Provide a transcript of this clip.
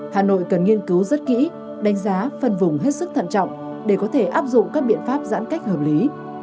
hà nội cần nghiên cứu rất kỹ đánh giá phân vùng hết sức thận trọng để có thể áp dụng các biện pháp giãn cách hợp lý